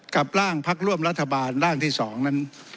ร่างพักร่วมรัฐบาลร่างที่๒นั้น